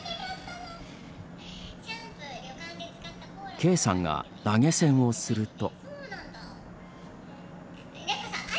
Ｋさんが投げ銭をすると。